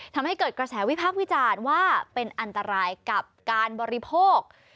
ทำให้เกิดกระแสวิพากษ์วิจารณ์ว่าเป็นอันตรายกับการบริโภค